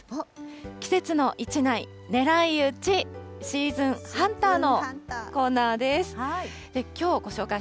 季節の１枚ねらいうちシーズンハンターのコーナーです。